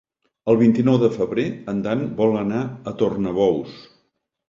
El vint-i-nou de febrer en Dan vol anar a Tornabous.